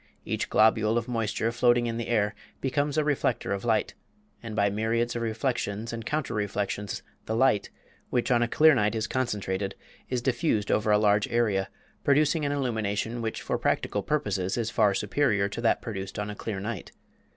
Each globule of moisture floating in the air becomes a reflector of light, and by myriads of reflections and counter reflections the light (which on a clear night is concentrated) is diffused over a large area, producing an illumination which for practical purposes is far superior to that produced on a clear night.